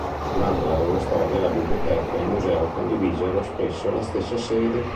Durante la loro storia la biblioteca e il museo condivisero spesso la stessa sede.